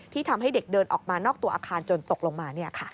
ทำให้เด็กเดินออกมานอกตัวอาคารจนตกลงมา